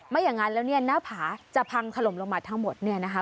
อย่างนั้นแล้วเนี่ยหน้าผาจะพังถล่มลงมาทั้งหมดเนี่ยนะคะ